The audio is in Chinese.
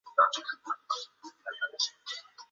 他们认为左旋香螺的左旋性质是一个神圣的物体。